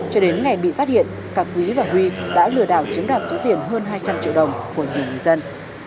cho đến ngày bị phát hiện cả quý và huy đã lừa đảo chiếm đoạt số tiền hơn hai trăm linh triệu đồng của nhiều người dân